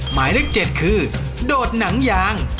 หมายเลข๗คือโดดหนังยาง